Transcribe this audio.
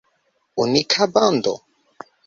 Unika bando?